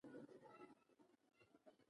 دریمه مرحله د وزیرانو شورا ته لیږل دي.